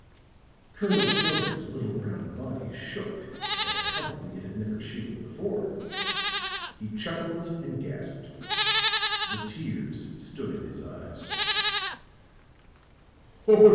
Colonel Stelzner's little round body shook as probably it had never shaken before. He chuckled and gasped; the tears stood in his eyes.